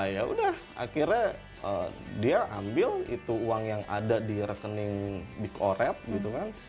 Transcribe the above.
ya udah akhirnya dia ambil itu uang yang ada di rekening big oret gitu kan